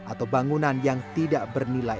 atau bangunan yang tidak bernilai